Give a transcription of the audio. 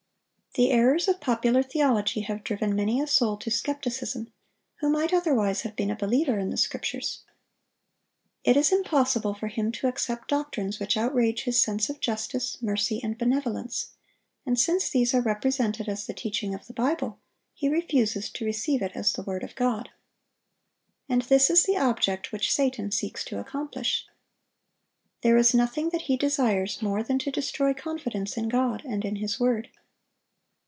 The errors of popular theology have driven many a soul to skepticism, who might otherwise have been a believer in the Scriptures. It is impossible for him to accept doctrines which outrage his sense of justice, mercy, and benevolence: and since these are represented as the teaching of the Bible, he refuses to receive it as the word of God. And this is the object which Satan seeks to accomplish. There is nothing that he desires more than to destroy confidence in God and in His word.